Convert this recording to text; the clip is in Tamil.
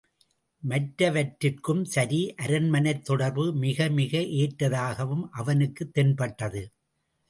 மற்றவற்றிற்கும் சரி அரண்மனைத் தொடர்பு மிகமிக ஏற்றதாகவும் அவனுக்குத் தென்பட்டது.